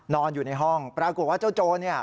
นอนอยู่ในห้องปรากฏว่าเจ้าโจรเนี่ย